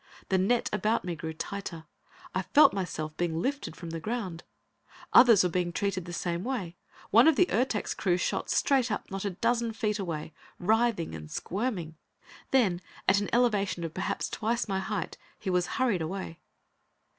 The net about me grew tighter; I felt myself being lifted from the ground. Others were being treated the same way; one of the Ertak's crew shot straight up, not a dozen feet away, writhing and squirming. Then, at an elevation of perhaps twice my height, he was hurried away.